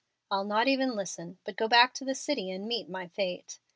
I'll not even listen, but go back to the city and meet my fate.